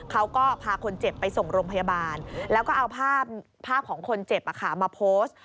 เขาก็พาคนเจ็บไปส่งโรงพยาบาลแล้วก็เอาภาพของคนเจ็บมาโพสต์